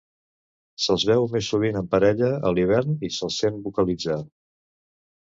Se'ls veu més sovint en parella a l'hivern i se'ls sent vocalitzar.